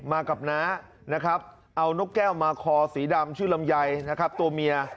มากับน้าเอานกแก้วมาคอสีดำชื่อลำไยตัวเมีย